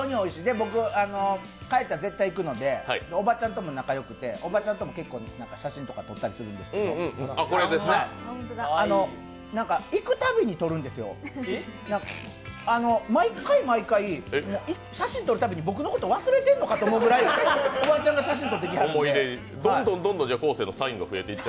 僕、帰ったら絶対いくので、おばちゃんとも仲いいので、おばちゃんと結構写真とか撮ったりするんですけど、行く度に撮るんですよ、毎回毎回、写真撮るたびに僕のこと忘れてんのかと思うぐらい、おばちゃんが写真撮ってきはるじゃ、どんどん昴生のサインも増えていって？